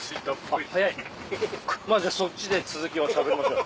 早いじゃあそっちで続きをしゃべりましょう。